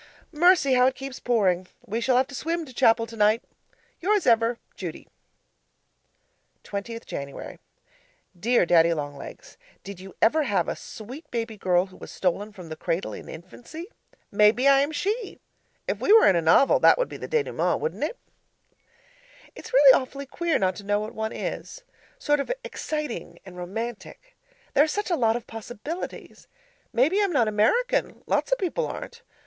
Mercy! how it keeps Pouring. We shall have to swim to chapel tonight. Yours ever, Judy 20th Jan. Dear Daddy Long Legs, Did you ever have a sweet baby girl who was stolen from the cradle in infancy? Maybe I am she! If we were in a novel, that would be the denouement, wouldn't it? It's really awfully queer not to know what one is sort of exciting and romantic. There are such a lot of possibilities. Maybe I'm not American; lots of people aren't.